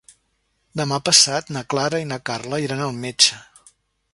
Demà passat na Clara i na Carla iran al metge.